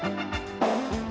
tante om masuk